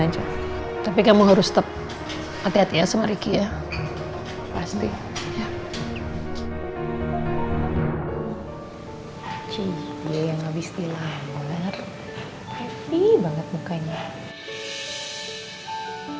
aja tapi kamu harus tetap hati hati ya sama ricky ya pasti ya hai cie yang habis di lahir